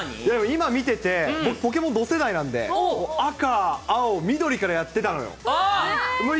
今見てて、僕、ポケモン同世代なので、赤、青、緑からやってたのよ。